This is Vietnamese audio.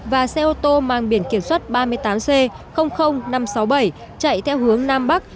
và xe ô tô mang biển kiểm soát ba mươi tám c năm trăm sáu mươi bảy chạy theo hướng nam bắc